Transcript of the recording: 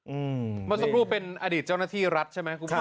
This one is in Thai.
อืมมารูปเป็นอดีตเจ้าหน้าที่รัฐใช่ไหมครูฟา